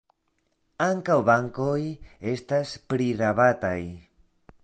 Ankaŭ bankoj estas prirabataj.